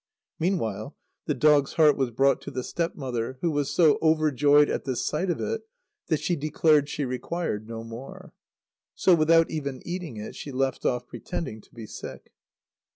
Meanwhile the dog's heart was brought to the step mother, who was so overjoyed at the sight of it, that she declared she required no more. So, without even eating it, she left off pretending to be sick.